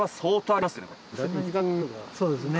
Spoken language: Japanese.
そうですね。